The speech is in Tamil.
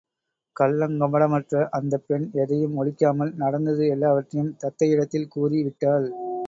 கள்ளங்கபடமற்ற அந்தப் பெண் எதையும் ஒளிக்காமல் நடந்தது எல்லாவற்றையும் தந்தையிடத்தில் கூறி விட்டாள்.